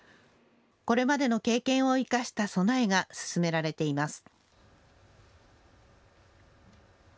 これまでの経験を生かした備えが進められています。